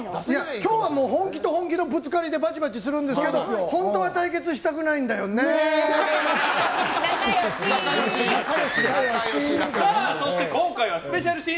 今日はもう本気と本気のぶつかり合いでバチバチするんですけど本当は対決したくないんだよねー。